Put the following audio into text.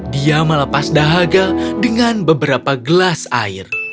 dia melepas dahaga dengan beberapa gelas air